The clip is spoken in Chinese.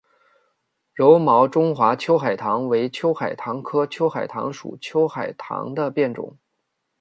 柔毛中华秋海棠为秋海棠科秋海棠属秋海棠的变种。